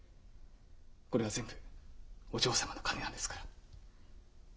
これは全部お嬢様の金なんですから。